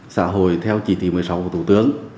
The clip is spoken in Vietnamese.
xã hội theo chỉ thị một mươi sáu của thủ tướng